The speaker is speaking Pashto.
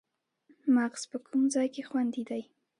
مغز په کوم ځای کې خوندي دی